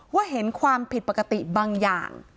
เห็นความผิดปกติบางอย่าง